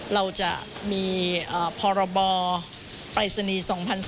เราจะมีพบปรัยศนี๒๔๗๗